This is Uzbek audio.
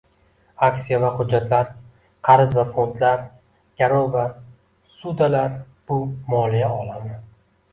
Aksiya va hujjatlar, qarz va fondlar, garov va ssudalar bu moliya olami